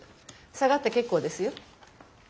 下がって結構ですよ。